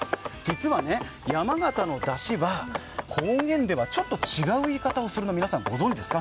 実は山形のだしは、方言ではちょっと違う言い方をするの皆さん、ご存じですか？